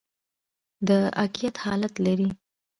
د اکتیت حالت لري.